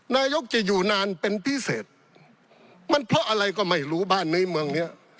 นายกจะอยู่นานเป็นพิเศษมันเพราะอะไรก็ไม่รู้บ้านนี้เมืองเนี้ย